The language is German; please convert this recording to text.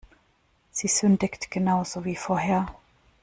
Sie sündigt genau so wie vorher.